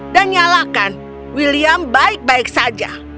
dan nyalakan william baik baik saja